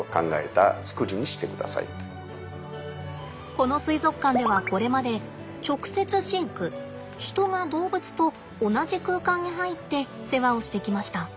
この水族館ではこれまで直接飼育人が動物と同じ空間に入って世話をしてきました。